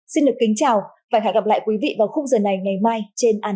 xin được kính chào và hẹn gặp lại quý vị vào khúc giờ này ngày mai trên antv